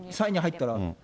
３位に入ったら。